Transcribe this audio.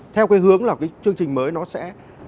theo cái hướng là chương trình mới nó sẽ